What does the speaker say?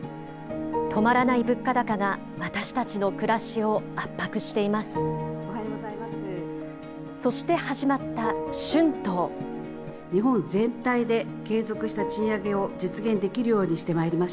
止まらない物価高が、私たちの暮らしを圧迫しています。